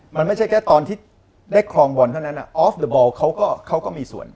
มันไม่ใช่แค่ตอนที่ได้คลองบอลเท่านั้นออฟหรือบอลเขาก็มีส่วน